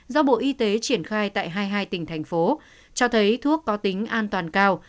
do bộ y tế triển khai tại hai mươi hai tỉnh thành phố cho thấy thuốc có tính an toàn cao